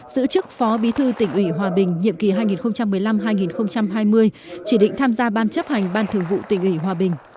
giữ chức phó bí thư tỉnh ủy hòa bình nhiệm kỳ hai nghìn một mươi năm hai nghìn hai mươi chỉ định tham gia ban chấp hành ban thường vụ tỉnh ủy hòa bình